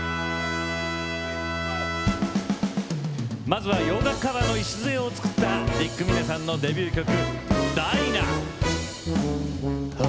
まずは洋楽カバーの礎を作ったディック・ミネさんのデビュー曲。